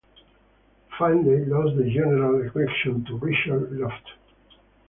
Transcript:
Findley lost the general election to Richard Luft.